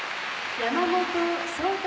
山本草太。